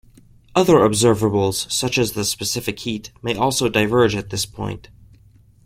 Other observables, such as the specific heat, may also diverge at this point.